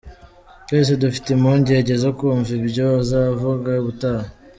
Twese dufite impungenge zo kumva ibyo azavuga ubutaha.